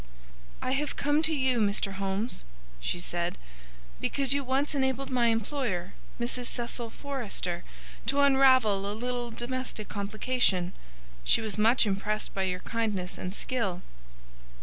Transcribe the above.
"I have come to you, Mr. Holmes," she said, "because you once enabled my employer, Mrs. Cecil Forrester, to unravel a little domestic complication. She was much impressed by your kindness and skill."